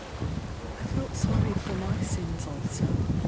] I felt sorry for my sins also.